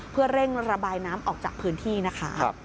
เพื่อเร่งระบายน้ำออกจากพื้นที่นะคะ